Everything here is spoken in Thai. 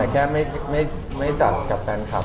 แก้มไม่จัดกับแฟนคลับ